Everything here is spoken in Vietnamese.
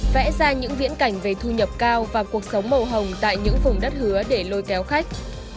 vẽ ra những viễn cảnh về thu nhập cao và cuộc sống màu hồng tại những vùng đất hứa để lôi kéo khách